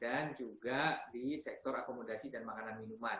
dan juga di sektor akomodasi dan makanan minuman